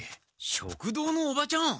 食堂のおばちゃん！